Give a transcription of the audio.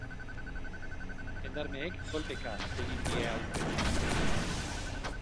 Jendarmeek kolpeka egin die aurre.